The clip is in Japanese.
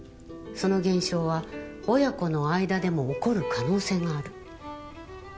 その現象は親子の間でも起こる可能性がある。